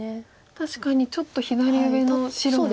確かにちょっと左上の白も。